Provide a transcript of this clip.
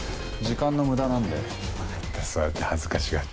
時間の無駄なんで。